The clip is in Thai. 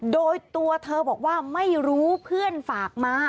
โดยตัวเธอบอกว่าไม่รู้เพื่อนฝากมา